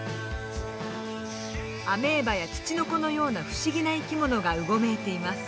アメーバやツチノコのような不思議な生き物がうごめいています。